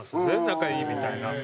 仲いいみたいな。